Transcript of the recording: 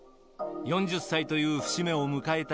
４０歳という節目を迎えた